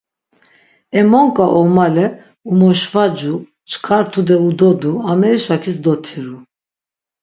E monk̆a ovmale umoşvacu, çkar tude udodu, amerişakis dotiru.